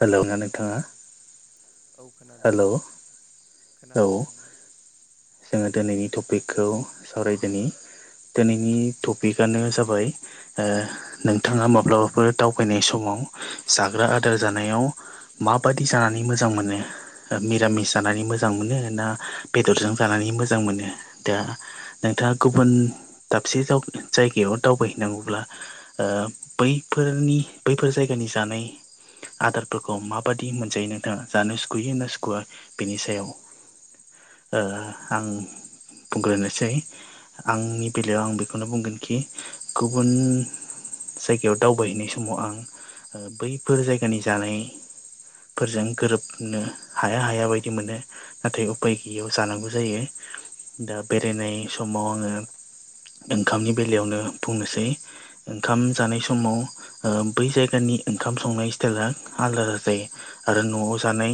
Hello [unintelligible] नोंथाङा औ खोनादों हेलौ औ खोनादों जोङो दिनैनि टपिकखौ सावरायदोनि दिनैनि टपिकआनो जाबाय ओ नोंथाङा माब्लाबाबो दावबायनाय समाव जाग्रा आदार जानायाव माबादि जानानै मोजां मोनो मिरामिस जानानै मोजां मोनो ना बेदरजों जानानै मोजां मोनो दा नोंथाङा गुबुन दाबसे जाव जायगायाव दावबायहैनांगौब्ला ओ बैफोरनि बैफोर जायगानि जानाय आदारफोरखौ माबादि मोनजायो नोंथाङा जानो सुखुयो होन ना सुखुवआ बेनि सायाव ओ आं बुंग्रोनोसै आंनि बेलायाव आं बेखौनो बुंगोन कि गुबुन जायगायाव दावबायहैनाय समाव आं बैफोर जायगानि जानाय फोरजों गोरोबनो हाया हाया बायदि मोनो नाथाय उफाय गैयियाव जानांगौ जायो दा बेरायनाय समाव आङो ओंखामनि बेलायावनो बुंनोसै ओंखाम जानाय समाव ओ बै जायगानि ओंखाम संनाय स्टाइला आलादा आा जायो आरो न'आव जानाय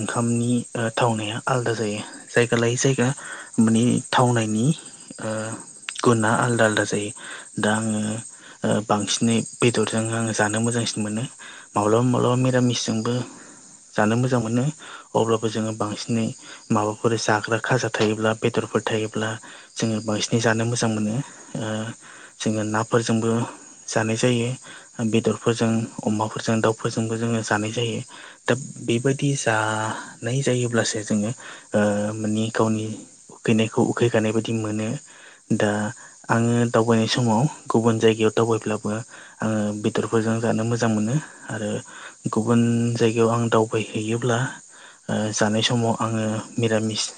ओंखामनि ओ थावनाया आलादा जायो जायगा लायै जायगा माने थावनायनि ओ गुना आलदा आलदा जायो दा आङो ओ बांसिनै बेदरजों आङो जानो मोजांसिन मोनो माब्लाबा माब्लाबा मिरामिसजोंबो जानो मोजां मोनो अब्लाबो जोङो बांसिनै माबाफोर जाग्रा खाजा थायोब्ला बेदरफोर थायोब्ला जोङो बांसिनै जानो मोजां मोनो ओ जोङो नाफोरजोंबो जानाय जायो बेदरफोरजों अमाफोरजों दाउफोरजोंबो जोङो जानाय जायो दा बेबायाददि जानाय जायोब्लासो जोङो माने गावनि उखैनायखौ उखैगानाय बायदि मोनो दा आङो दावबायनाय समाव गुबुन जायगायाव दावबायब्लाबो आङो बेदरफोरजों जानो मोजां मोनो आरो गुबुन जायगायाव आं दावबायहैयोब्ला ओ जानाय समाव आङो मिरामिस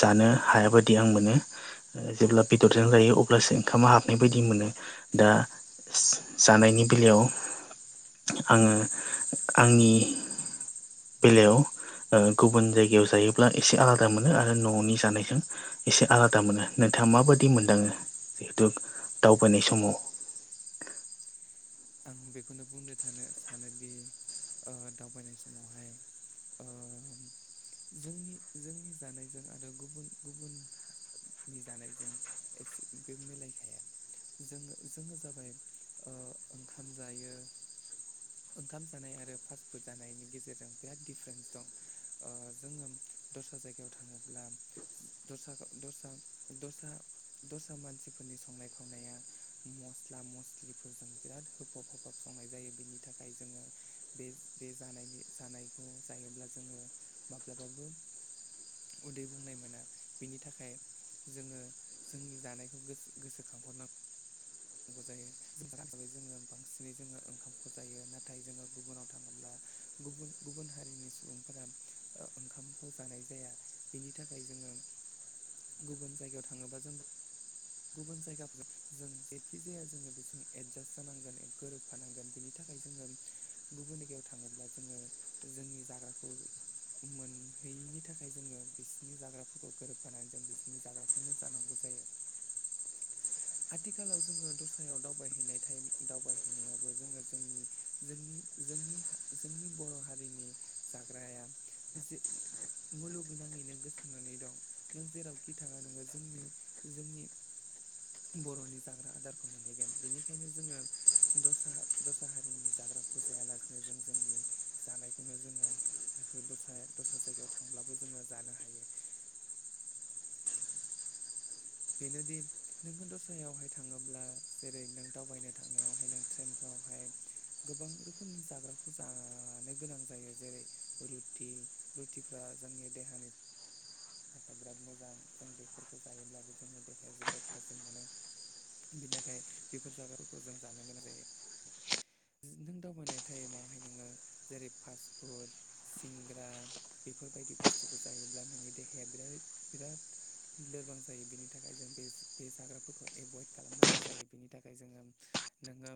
जानो हायाबायदि आं मोनो जेब्ला बेदरजों जायो अब्लासो ओंखामा हाबनाय बायदि मोनो दा जानायनि बेलायाव आङो आंनि बेलायाव गुबुन जायगायाव जायोब्ला एसे आलादा मोजां मोनो आरो न'नि जानायजों एसे आलादा मोनो नोंथाङा माबायदि मोनदाङो जिहेथु दावबायनाय समाव [inaudible] आं बेखौनो बुंनो थानो सानोदि दावबायनाय समावहाय ओ जोंनि जोंनि जानायजों आरो गुबुन गुबुननि जानायजों एसे बे मिलायखाया जोङो जोङो जाबाय ओ ओंखाम जायो ओंखाम जानाय आरो फास्टफुड जानायनि गेजेरजों बिराद दिडिफारेन्स दं ओ जोङो दस्रा जायगायाव थाङोब्ला दस्रा दस्रा दस्रा दस्रा मानसिफोरनि संनाय खावनाया मस्ला मस- फिखलिफोरजों बिराद होफाब होफाब संनाय जायो बेनि थाखाय जोङो बे बे जानायनि जानायखौ जायोब्ला जोङो माब्लाबाबो उदै बुंनाय मोना बिनि थाखाय जोङो जोंनि जानायखौ गोसो-गोसोखांहरनांगौ जाबै जोङो बांसिनै जोङो ओंखामखौ जायो नाथाय जोङो गुबुनाव थाङोब्ला गुबुन गुबुन हारिनि सुबुंफोरा ओ ओंखामखौ जानाय जाया बिनि थाखाय जोङो गुबुन जायगायाव थाङोबा जों गुबुन जायगाफोरजों जों जायखि जाया जोङो बेस एडजास्ट जानांगोन गोरोबफानांगोन बिनि थाखाय जोङो गुबुन जायगायाव थाङोब्ला जोङो जोंनि जाग्राखौ मोनहैयिनि थाखाय जोङो बिसनि जाग्राफोरखौ गोरोबबानानै जों बिसोरनि जाग्रा जानांगौ जायो आथिालाव जोङो दस्रायाव दावबायहैनाय ाइम दावबायहैनायावबो जोङो जोंनि जोंनि जोंनि जोंनि बर' हारिनि जाग्राया जे मुलुगनाङैनो गोसारनानै दं नों जेरावखि थाङा नोङो जोंनि जोंनि बर'नि जा आरो आदारखौ मोनहैगोन बेनिखायनो जोङो दस्रा दस्रा हारिनि जाग्राखौ जायालासेनो जों जोंनि जानायखौनो जोङो दस्रा दस्रा जायगायाव थांब्लाबो जोङो जानो हायो। बेनोदि नोङो दस्रायावहाय थाङोब्ला जेरै नों दावबायनो थांनायावहाय नों ट्रेनफ्रावहाय गोबां रोखोमनि जाग्राखौ जानो गोनां जायो जेरै रुटि रुटिफ्रा जोंनि देहानि थाखाय बिराद मोजां जों बेफोरखौ जायोब्लाबो जोंनो देहाया जोबोद थाजिम मोनो। बिनि थाखाय बेफोर जाग्राफोरखौ जों जानो गोनां जायो नों दावबायनाय टाइमावहाय नोङो जेरै फास फुड सिंग्रा बेफोरबायदि बुस्थुखौ जायोब्ला नोंनि देहाया बिराद बिराद लोरबां जायो बेनि थाखाय जों बे बे जाग्राफोरखौ एभयड खालामनांगौ जायो बेनि थाखाय जोङो नोङो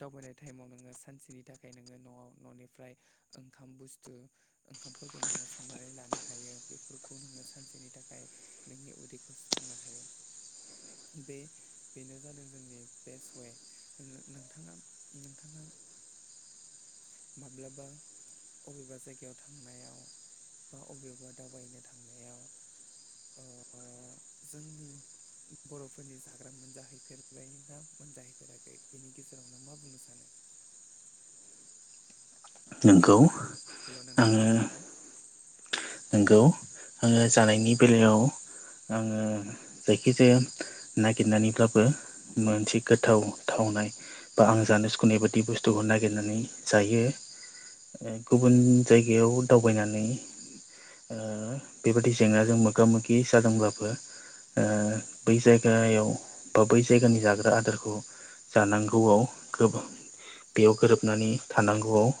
दावबायनाय टाइमाव नोङो सानसेनि थाखाय नोङो न'आव न'निफ्राय ओंखाम बुस्थु ओंखामफोरखौ नोङो संनानै लानो हायो बेफोर खौ नोङो सानसेनि थाखाय नोंनि उदैखौ सुफुंनो हायो। बे बेनो जादों जोंनि बेस्ट वे नोंथाङा नोंथाङा माब्लाबा अबेबा जायगायाव थांनायाव बा अबेबा दावबायनो थांनायाव ओ जोंनि बर'फोरनि जाग्रा मोनजाहैफेरबाय ना मोनजाहैफेराखै बिनि गेजेरावनो मा बुंनो सानो? नोंगौ हेलौ नोंथाङा खोनादों ना? नंगौ आङो जानायनि बेलायाव आङो जायखिजाया नागिरनानैब्लाबो मोनसे गोथाव थावनाय बा आं जानो सुखुनाय बायदि बुस्थुखौ नागिरनानै जायो। गुबुन जायगायाव दावबायनानै ओ बेबायदि जेंनाजों मोगा मोगि जादोंब्लाबो ओ बै जायगायाव बा बै जायगानि जाग्रा आदारखौ जानांगौआव बेयाव गोरोबनानै थानांगौआव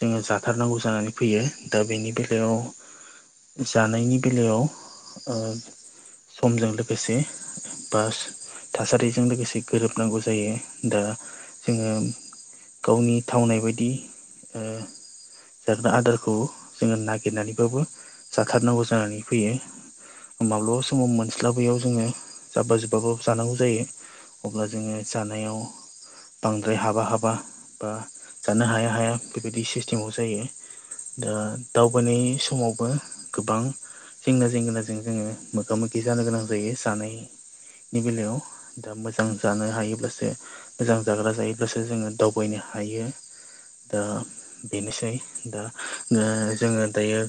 जोङो जाथारनांगौ जानानै फैयो दा बेनि बे याव जानायनि बेलायाव ओ समजों लोगोसे बा थासारिजों लोगोसे गोरोबनांगौ जायो दा जोङो गावनि थावनाय बायदि ओ जाग्रा आदारखौ जोङो नागिर नानैबाबो जाथारनांगौ जानानै फैयो। माब्लाबा समाव मोनस्लाबैयाव जोङो जाब्बा जुब्बाबो जानांगौ जायो अब्ला जोङो जानायाव बांद्राय हाबा हाबा बा जानो हाया हाया बेबायदि सिस्टेमाव जायो दा दावबायनाय समावबो गोबां जेंना जेंगोनाजों जोङो मोगा मोगि जानो गोनां जायो जानाय नि बेलायाव दा मोजां जानो हायोब्लासो मोजां जाग्रा जायोब्लासो जोङो दावबायनो हायो दा बेनोसै दा ओ जोङो दायो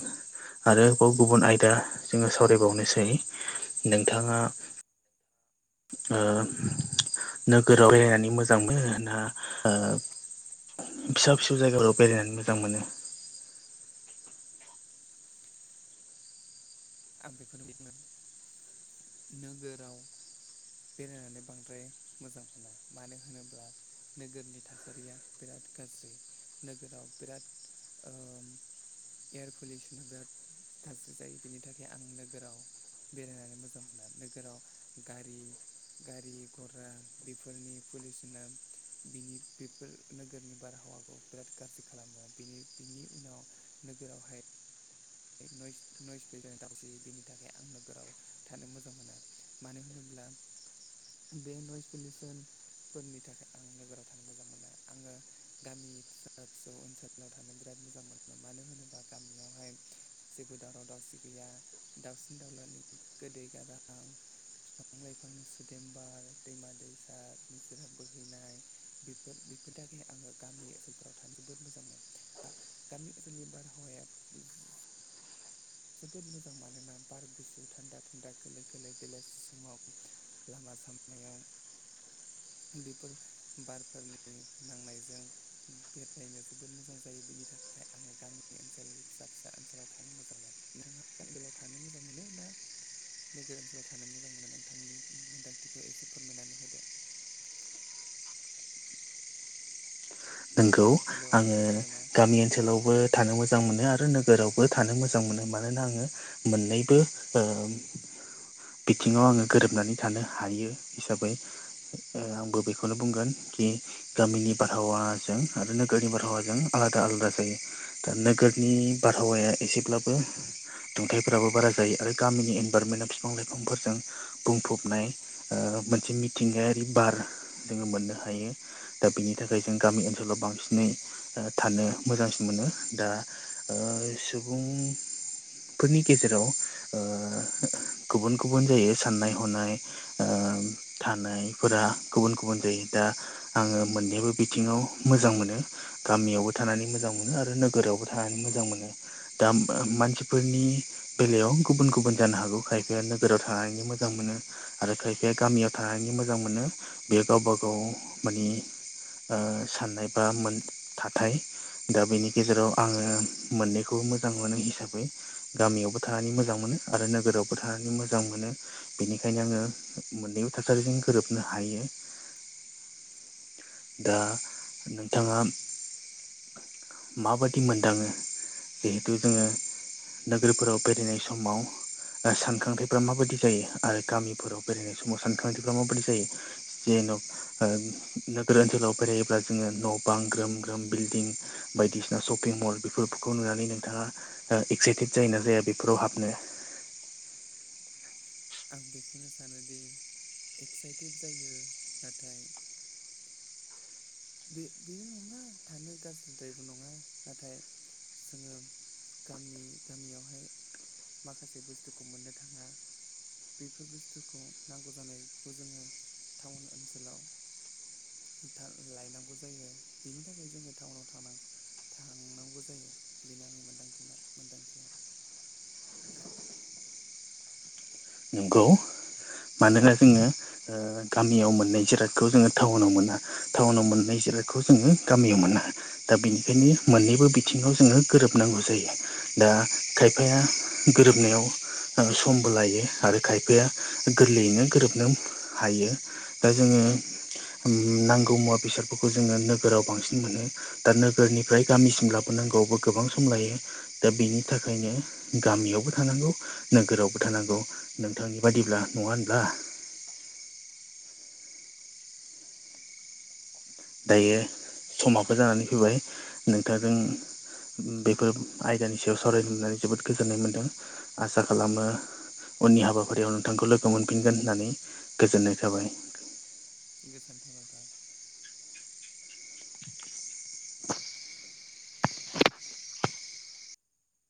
आरोबाव गुबुन आयदा जोङो सावरायबावनोसै नोंथाङा ओ नोगोराव बेरायनानै मोजां मोनो ना ओ फिसा फिसौ जायगाफोराव बेरायनानै मोजां मोनो आं बेखौनो बुंदोंमोन नोगोराव बेरायनानै बांद्राय मोजां मोना मानो होनोब्ला नोगोरनि थासारिया बिराद गाज्रि नोगोराव बिराद एयार पलिउसना बिराद थाज्रि जायो बेनि बिनि थाखाय आं नोगोराव बेरायनानै मोजां मोना नोगोराव गारि गारि घरा बेफोरनि पलिउसना बिनि बेफोर नोगोरनि बारहावाखौ बिराद गाज्रि खालामो बिनि बिनि उनाव नोगोरावहाय नयस फैजानो दावसि बेनि थाखाय आं नोगोराव थानो मोजां मोना मानो होनोब्ला बे नयस पलिउसन फोरनि थाखाय आं नोगोराव थानो मोजां मोनो आङो गामि फिसा फिसौ ओनसोलाव थानो बिराद मोजां मोनो मानो होनोबा गामियावहाय जेबो दावराव दावसि गैया दावसिन दाउलानि गोदै गारां बिफां लाइफांनि सुदेम्बार दैमा दैसा निजोरा बोहैनाय बेफोर बेफोरनि थाखायहाय आङो गामि ओनसोलफोराव थानो जोबोद मोजां मोनो बा गामि नसोलनि बारहावाया जोबोद मोजां मानोना बार गुसु थान्दा थान्दा खलै खोलो बेलासि समाव लामा सामायाव बेफोर बारफोरनि नांनायजों बेरायनो जोबोद मोजां जायो बिनि थाखाय आङो गामि ओनसोल फिसा फिसा ओनसोलाव थानो मोजां मोनो [unintelligible] थानो मोजां मोनो ना नोगोर ओनसोलाव थानो मोजां मोनो आोंथांनि मोन्दांथिखौ एसे फोरमायनानै होदो नंगौ हेल' आङो खोनादोंना गामि ओनसोलावबो थानो मोजां मोनो आरो नोगोरावबो थानो मोजां मोनो मानोना आङो मोननैबो बिथिङाव आङो गोरोबनानै थानो हायो हिसाबै आंबो बेखौनो बुंगोन कि गामिनि बारहावा जों आरोनो गोरारिि बारहावाजों आलादा आलादा जायो दा नोगोरनि बारहावाया एसेब्लाबो दुंथायाइफोराबो बारा जायो आरो गामिनि इनभाररमेन्टआव बिफां लाइफांफोरजों बुंफबनाय मोनसे मिथिंगायारि बार जोङो मोननो हायो दा बिनि थाखाय जों गामि ओनसोलाव बांसिनै थानो मोजांसिन मोनो दा सुबुं फोरनि गेजेराव गुबुन गुबुन जायो साननाय हनाय थानायफोरा गुबुन गुबुन जायो दा आङो मोननैबो बिथिङाव मोजां मोनो गामियावबो थानानै मोजां मोनो आरो नोगोरावबो थानानै मोजां मोनो दा मानसिफोरनि बेलायाव गुबुन गुबुन जानो हागौ खायफाया नोगोराव थनो मोजां मोनो आरो खायफाया गामियाव थानानै मोजां मोनो बेयो गावबा गाव माने साननाय बा मोन थाथाय दा बेनि गेजेराव आङो मोननैखौ मोजां मोनो हिसाबै गामियावबो थानानै मोजां मोनो आरो नोगोरावबो थानानै मोजां मोनो। बेनिखायनो आङो मोननैबो थासारिजों गोरोबनो हायो। दा नोंथाङा। माबादि मोनदाङो जिहेथु जोङो नोगोरफोराव बेरायनाय समाव ओ सानखांथाइफोरा माबायदि जायो आरो गामिफोराव बेरायनाय समाव सानखांथायफोरा माबायदि जायो जेन' ओ नोगोर ओनसोलाव बेरायोब्ला जोङो न' बां ग्रोम ग्रोम बिल्डिं बायदिसिना सशपिं मल बेफोरखौ नुनानै नोंथाङा ओ एक्साइटेड जायोना जाया बेफोराव हाबनो आं बेखौनो सानोदि एक्साइटेड जायो नाथाय बे बे नङा थानो गाज्रिद्रायबो नङा नाथाय जोङो गामि गामियावहाय माखासे बुस्थुखौ मोननो थाङा बेफोर बुस्थुखौ नांगौ जानायखौ जोङो टाउन ओनसोलाव थाल लायनांगौ जायो बिनि थाखाय जोङो टाउनाव थांनांगौ। थांनांगौ जायो बेनो आंनि मोनदांथिना मोनदांथिया। नंगौ। मानोना जोङो ओ गामियाव मोननाय जिरादखौ जोङो टाउनाव मोना। टाउनाव मोननाय जिरायखौ जोङो गामियाव मोना। दा बेनिखायनो मोननैबो बिथिङाव जोङो गोरोबनांगौ जायो। दा खायफाया गोरोबनायाव ओ समबो लायो। आरो खायफाया गोरलैयैनो गोरोबनो हायो। दा जोङो ओम नांगौ मुवा बेसादफोरखौ जोङो नोगोराव बांसिन मोनो। दा नोगोरनिफ्राय गामिसिम लाबोनांगौआवबो गोबां सम लायो। दा बेनि थाखायनो गामियावबो थानांगौ नोगोरावबो थानांगौ। नोंथांनि बादिब्ला नङा होनब्ला? दायो समाबो जानानै फैबाय नोंथांजों बेफोर आयदानि सायाव सावरायनोनानै जोबोद गोजोननाय मोन्दों आसा खालामो उननि हाबाफारियाव नोंथांखौ लोगो मोनफिनगोन होननानै गोजोननाय थाबाय। गोजोनथो नोंथां।